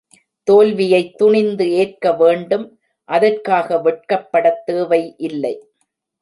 தோல்வியைத் துணிந்து ஏற்க வேண்டும் அதற்காக வெட்கப்படத் தேவை இல்லை.